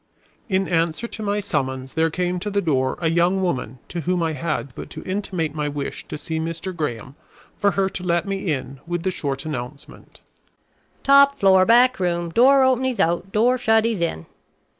In answer to my summons there came to the door a young woman to whom I had but to intimate my wish to see Mr. Graham for her to let me in with the short announcement: "Top floor, back room! Door open, he's out; door shut, he's in."